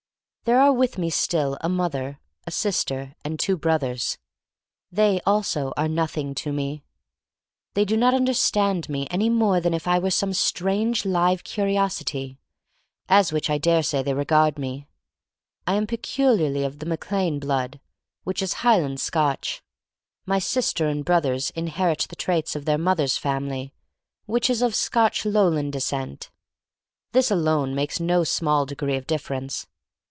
There are with me still a mother, a sister, and two brothers. They also are nothing to me. They do not understand me any more than if I were some strange live curi osity, as which I dare say they regard me. I am peculiarly of the Mac Lane blood, which is Highland Scotch. My sister and brothers inherit the traits of their mother's family, which is of Scotch Lowland descent. This alone makes no small degree of difference.